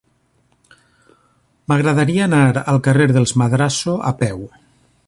M'agradaria anar al carrer dels Madrazo a peu.